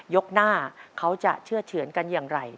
ยกหน้าเขาจะเชื่อเฉือนกันอย่างไร